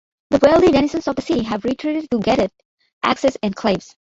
The wealthy denizens of the city have retreated to gated-access enclaves.